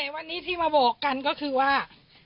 วันนี้ที่มาบอกกันก็คือว่า